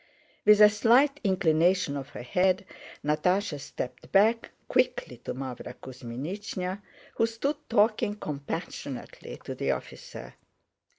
With a slight inclination of her head, Natásha stepped back quickly to Mávra Kuzmínichna, who stood talking compassionately to the officer.